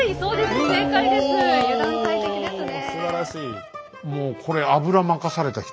すばらしい。